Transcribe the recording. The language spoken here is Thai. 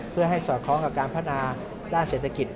เพื่อให้สอดคล้องกับการพัฒนาด้านเศรษฐกิจ